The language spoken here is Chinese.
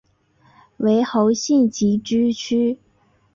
为侯姓集居区。